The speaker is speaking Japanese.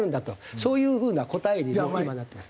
そういう風な答えに今なってます。